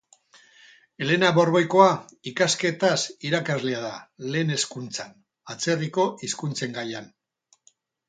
Elena Borboikoa, ikasketaz, irakaslea da, lehen hezkuntzan, atzerriko hizkuntzen gaian.